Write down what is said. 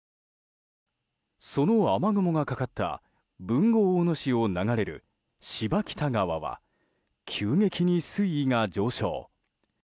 その雨雲がかかった豊後大野市を流れる柴北川は急激に水位が上昇。